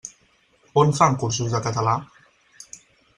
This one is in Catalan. On fan cursos de català?